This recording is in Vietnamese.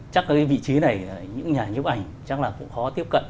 chắc cái vị trí này những nhà nhịp ảnh chắc là cũng khó tiếp cận